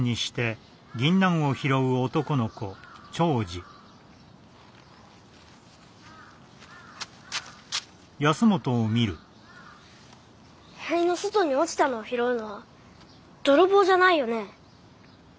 塀の外に落ちたのを拾うのは泥棒じゃないよね？